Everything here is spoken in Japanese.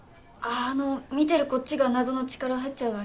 あの見てるこっちが謎の力入っちゃうあれですね。